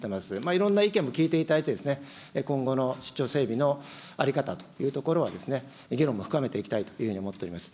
いろんな意見も聞いていただいて、今後の出張整備の在り方というところは、議論も深めていきたいというふうに思っております。